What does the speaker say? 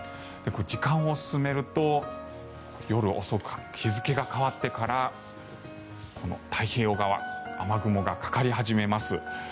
時間を進めると夜遅く、日付が変わってから太平洋側雨雲がかかり始めます。